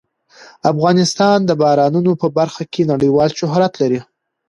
افغانستان د بارانونو په برخه کې نړیوال شهرت لري.